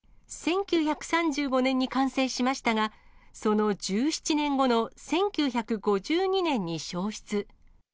１９３５年に完成しましたが、その１７年後の１９５２年に焼失。